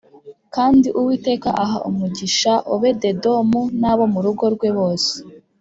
kandi Uwiteka aha umugisha Obededomu n’abo mu rugo rwe bose.